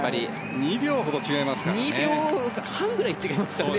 ２秒ほど違いますからね。